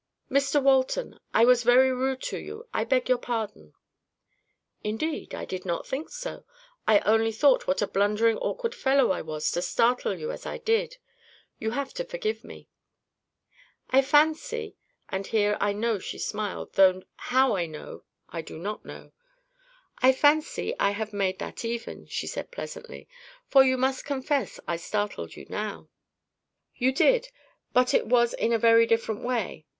"Mr Walton, I was very rude to you. I beg your pardon." "Indeed, I did not think so. I only thought what a blundering awkward fellow I was to startle you as I did. You have to forgive me." "I fancy"—and here I know she smiled, though how I know I do not know—"I fancy I have made that even," she said, pleasantly; "for you must confess I startled you now." "You did; but it was in a very different way.